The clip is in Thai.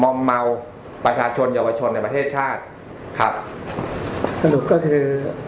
อมเมาประชาชนเยาวชนในประเทศชาติครับสรุปก็คือ